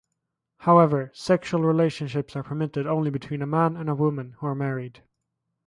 However, sexual relationships are permitted only between a man and woman who are married.